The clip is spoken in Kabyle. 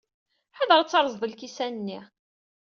Ḥader ad terrẓed lkisan-nni.